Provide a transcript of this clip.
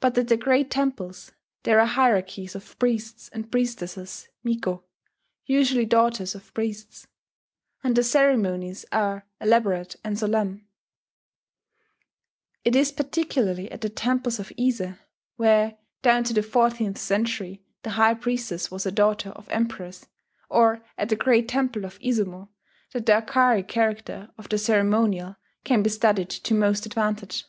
But at the great temples there are hierarchies of priests and priestesses (miko) usually daughters of priests; and the ceremonies are elaborate and solemn. It is particularly at the temples of Ise (where, down to the fourteenth century the high priestess was a daughter of emperors), or at the great temple of Izumo, that the archaic character of the ceremonial can be studied to most advantage.